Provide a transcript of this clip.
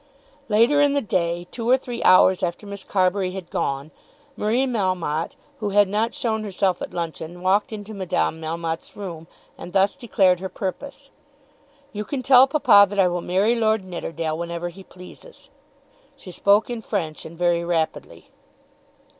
Later in the day, two or three hours after Miss Carbury had gone, Marie Melmotte, who had not shown herself at luncheon, walked into Madame Melmotte's room, and thus declared her purpose. "You can tell papa that I will marry Lord Nidderdale whenever he pleases." She spoke in French and very rapidly.